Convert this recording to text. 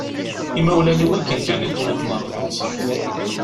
Imawlan-iw akken kan i d-wwḍen ɣer teɣsert.